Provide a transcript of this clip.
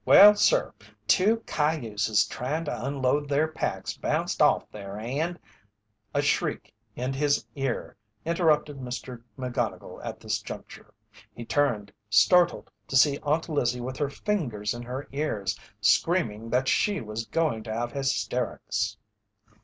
Well, sir, two cayuses tryin' to unload their packs bounced off there and " A shriek in his ear interrupted McGonnigle at this juncture. He turned, startled, to see Aunt Lizzie with her fingers in her ears screaming that she was going to have hysterics.